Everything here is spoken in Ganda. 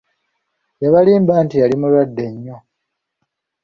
Yabalimba nti yali mulwadde nnyo!